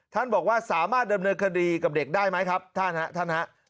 บอกว่าสามารถดำเนินคดีกับเด็กได้ไหมครับท่านฮะท่านฮะ